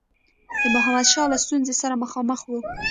د محمودشاه له ستونزي سره مخامخ وو.